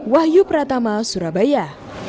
wahyu pratama surabaya